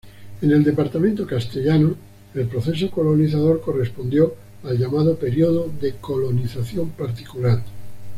En el Departamento Castellanos, el proceso colonizador correspondió al llamado periodo de colonización particular.